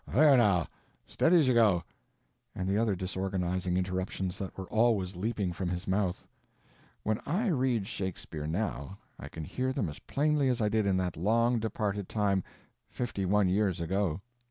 _—there now, steady as you go," and the other disorganizing interruptions that were always leaping from his mouth. When I read Shakespeare now I can hear them as plainly as I did in that long departed time—fifty one years ago.